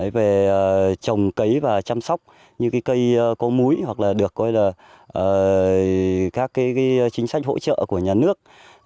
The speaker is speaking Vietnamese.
về trồng cấy và chăm sóc như cây có múi hoặc là được các chính sách hỗ trợ của nhà nước